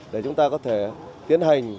để chúng ta có thể tiến hành